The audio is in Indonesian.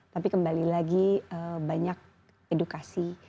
tapi kembali lagi banyak edukasi